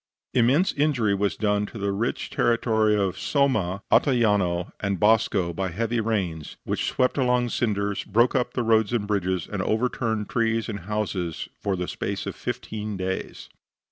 Immense injury was done to the rich territory of Somma, Ottajano and Bosco by heavy rains, which swept along cinders, broke up the road and bridges, and overturned trees and houses for the space of fifteen days.